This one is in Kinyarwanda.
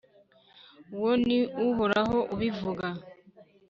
Uwo ni Uhoraho ubivuga